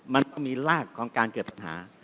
มันก็มีรากการของเกิดทันหา